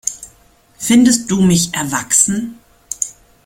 Findest du mich erwachsen?